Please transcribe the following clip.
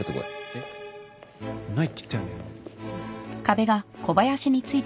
えっないって言ったよね？